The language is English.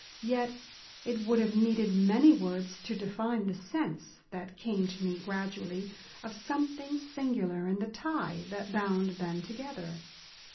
Yet it would have needed many words to define the sense, that came to me gradually, of something singular in the tie that bound them together.